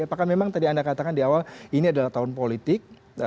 apakah memang tadi anda katakan di awal ini adalah tahun politik